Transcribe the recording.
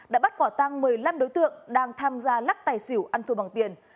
đã bắt quả tăng một mươi năm đối tượng đang tham gia lắc tài xỉu ăn thua bằng tiền